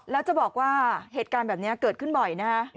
แล้วจะบอกว่าเหตุการณ์แบบนี้เกิดขึ้นบ่อยนะฮะ